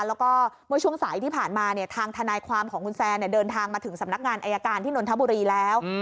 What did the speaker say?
แล้วก็เมื่อช่วงสายที่ผ่านมาเนี่ยทางทนายความของคุณแซนเดินทางมาถึงสำนักงานอายการที่นนทบุรีแล้ว